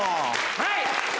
はい！